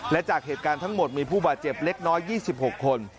และจากเหตุการณ์ทั้งหมดมีผู้บาดเจ็บเล็กน้อย๒๖คน